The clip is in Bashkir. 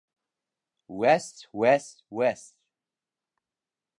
— Вәс, вәс, вәс!